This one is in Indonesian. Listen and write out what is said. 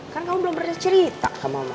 kan kamu belum berani cerita ke mama